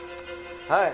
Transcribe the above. はい。